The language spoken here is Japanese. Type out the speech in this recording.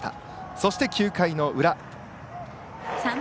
そして、９回の裏。